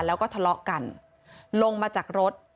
แล้วก็ทะเลาะกันลงมาจากรถ